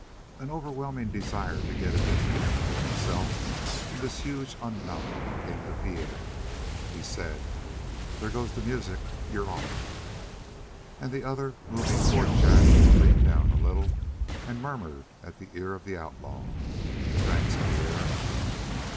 An overwhelming desire to get a distance between himself and this huge unknown came to Pierre. He said: "There goes the music. You're off." And the other, moving toward Jack, leaned down a little and murmured at the ear of the outlaw: "Thanks, Pierre."